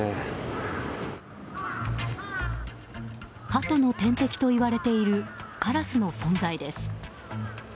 ハトの天敵といわれているカラスの存在です。